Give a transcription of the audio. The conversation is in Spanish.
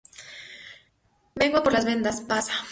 vengo a por vendas. pasa.